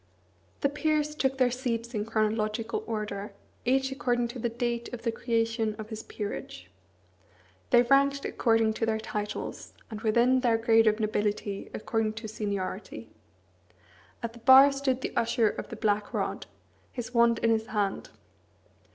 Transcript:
The peers took their seats in chronological order, each according to the date of the creation of his peerage. They ranked according to their titles, and within their grade of nobility according to seniority. At the bar stood the Usher of the Black Rod, his wand in his hand.